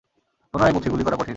পুনরায় বলছি, গুলি করা কঠিন।